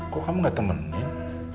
kok kamu nggak temenin